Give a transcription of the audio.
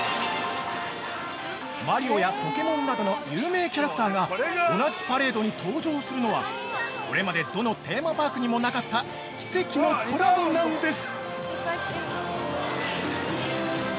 ◆マリオやポケモンなどの有名キャラクターが同じパレードに登場するのはこれまで、どのテーマパークにもなかった奇跡のコラボなんです！